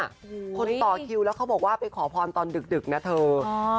คนต่อคิวแล้วเขาบอกว่าไปขอพรตอนดึกนะเธอ